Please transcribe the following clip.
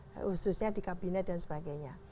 khususnya di kabinet dan sebagainya